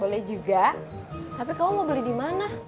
boleh juga tapi kamu mau beli di mana